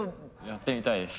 やってみたいです。